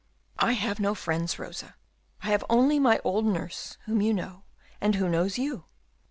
"I have no friends, Rosa; I have only my old nurse, whom you know, and who knows you.